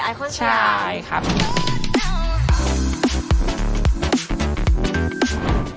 ไอคอนไทยนะครับใช่ครับว้าว